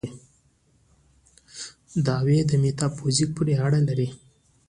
دعوې میتافیزیک پورې اړه لري.